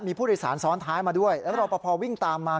มีผู้โดยสารซ้อนท้ายมาด้วยแล้วรอปภวิ่งตามมา